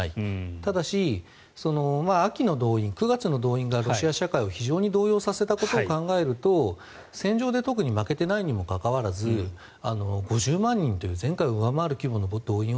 ただし、秋の動員９月の動員がロシア社会を非常に動揺させたことを考えると戦場で特に負けていないにもかかわらず５０万人という前回を上回る動員を